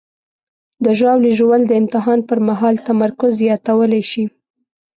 د ژاولې ژوول د امتحان پر مهال تمرکز زیاتولی شي.